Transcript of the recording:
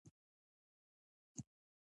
خوبونه خوږ دي.